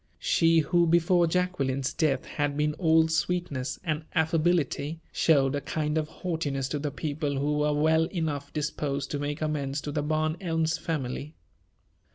She, who before Jacqueline's death had been all sweetness and affability, showed a kind of haughtiness to the people who were well enough disposed to make amends to the Barn Elms family.